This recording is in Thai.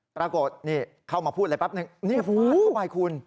ปรากฏนี่เข้ามาพูดอะไรแป๊บนึงนี่ฟาดเข้าไปคุณ